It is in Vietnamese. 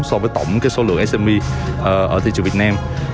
so với tổng cái số lượng sme ở thị trường việt nam